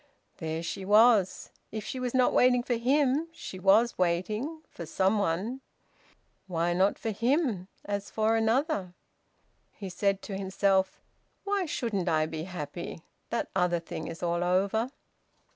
There she was! If she was not waiting for him, she was waiting for some one! Why not for him as well as for another? He said to himself "Why shouldn't I be happy? That other thing is all over!"